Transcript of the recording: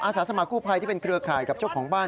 สาสมกู้ภัยที่เป็นเครือข่ายกับเจ้าของบ้าน